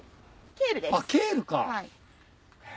あっケールか。へ。